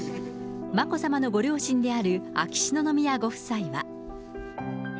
眞子さまのご両親である秋篠宮ご夫妻は。